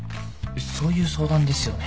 そういう相談ですよね？